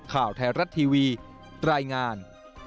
ข่าวไทยรัฐทีวีรายงาน